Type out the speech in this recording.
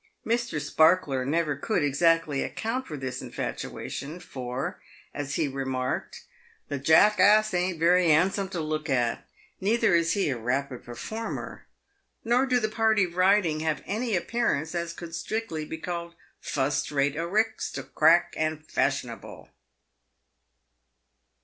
Mr. Sparkler never conld exactly ac count for this infatuation, for, as he remarked, " The jackhass ain't very 'ansome to look at, neither is he a rapid performer, nor do the party riding have any appearance as could strictly be called fust rate aristocrack and fashionable."